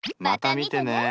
また見てね！